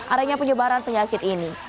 adanya penyebaran penyakit ini